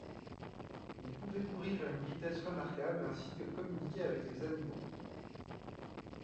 Il pouvait courir à une vitesse remarquable ainsi que communiquer avec les animaux.